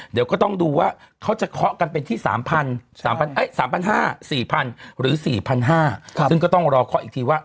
เดี๋ยวก็ต้องดูว่าเขาจะเคาะกันเป็นที่๓๕๐๐๔๐๐๐หรือ๔๕๐๐ซึ่งก็ต้องรอเคาะอีกทีว่า